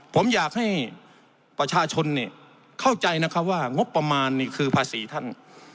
ผมอยากให้ประชาชนเข้าใจว่างบประมาณคือภาษีท่าน